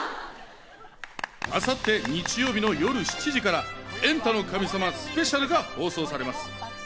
明後日、日曜日の夜７時から『エンタの神様』スペシャルが放送されます。